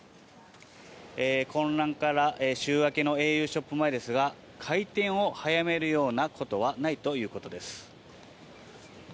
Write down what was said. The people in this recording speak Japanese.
混乱から週明けのａｕショップ前ですが、開店を早めるようなことはないということです。